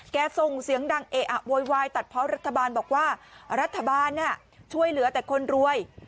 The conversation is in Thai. ส่งเสียงดังเอะอะโวยวายตัดเพราะรัฐบาลบอกว่ารัฐบาลช่วยเหลือแต่คนรวย